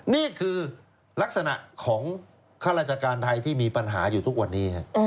นี่คือลักษณะของข้าราชการไทยที่มีปัญหาอยู่ทุกวันนี้